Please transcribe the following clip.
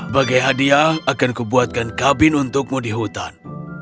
bagai hadiah akan kubuatkan kabin untukmu di hutan